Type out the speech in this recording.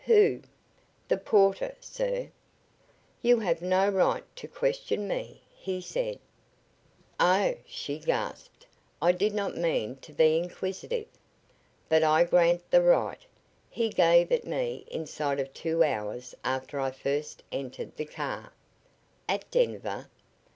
"Who?" "The porter, sir." "You have no right to question me," he said. "Oh!" she gasped. "I did not mean to be inquisitive." "But I grant the right. He gave it me inside of two hours after I first entered the car." "At Denver?"